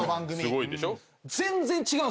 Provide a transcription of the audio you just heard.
すごいんでしょ。